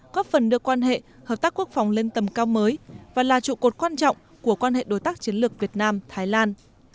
góp phần đưa quan hệ hợp tác quốc phòng lên tầm cao mới và là trụ cột quan trọng của quan hệ đối tác chiến lược việt nam thái lan